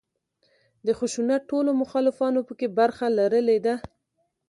د خشونت ټولو مخالفانو په کې برخه لرلې ده.